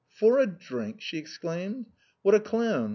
" For a drink !" she exclaimed ;" what a clown